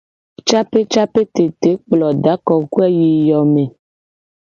Capecapetete kplo da kokoe yi yo me.